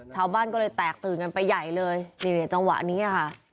ชาวบ้านก็เลยแตกตื่นกันไปใหญ่เลยนี่เนี่ยจังหวะนี้ค่ะ